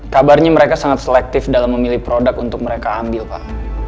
kabarnya mereka sangat selektif dalam memilih produk untuk mereka ambil pak